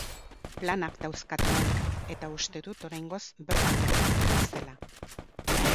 Planak dauzkat hemen, eta uste dut oraingoz bertan geldituko naizela.